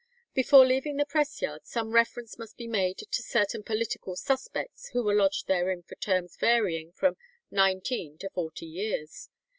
Before leaving the press yard some reference must be made to certain political "suspects" who were lodged therein for terms varying from nineteen to forty years.